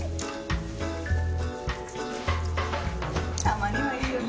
たまにはいいよね。